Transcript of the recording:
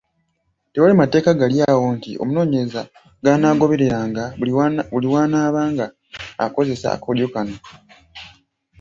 Tewali mateeka gali awo nti omunoonyereza g’anaagobereranga buli lw’anaabanga akozesa akakodyo kano.